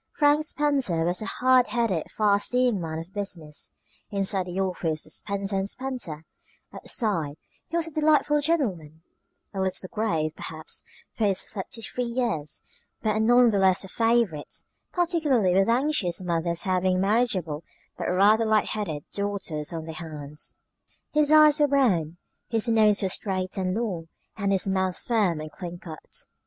Frank Spencer was a hard headed, far seeing man of business inside the office of Spencer & Spencer; outside, he was a delightful gentleman a little grave, perhaps, for his thirty three years, but none the less a favorite, particularly with anxious mothers having marriageable, but rather light headed, daughters on their hands. His eyes were brown, his nose was straight and long, and his mouth firm and clean cut.